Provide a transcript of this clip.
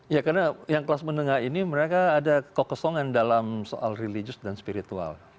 ya karena yang kelas menengah ini mereka ada kekesongan dalam soal religius dan spiritual